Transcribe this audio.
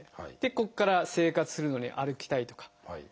ここから生活するのに歩きたいとか何かしたい。